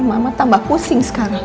mama tambah pusing sekarang